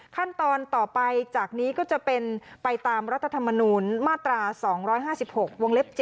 ขั้นตอนต่อไปจากนี้ก็จะเป็นไปตามรัฐธรรมนูลมาตรา๒๕๖วงเล็บ๗